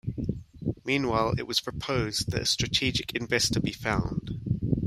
Meanwhile, it was proposed that a strategic investor be found.